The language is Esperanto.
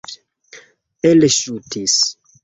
elŝutis